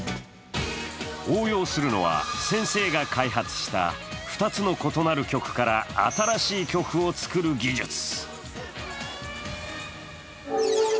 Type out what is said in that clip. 応用するのは、先生が開発した２つの異なる曲から新しい曲を作る技術。